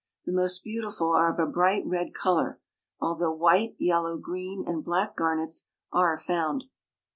The most beautiful are of a bright red color, although white, yellow, green, and black garnets are found.